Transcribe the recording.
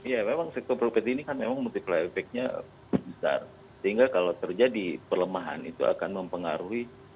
ya memang sektor properti ini kan memang multiplier efeknya besar sehingga kalau terjadi perlemahan itu akan mempengaruhi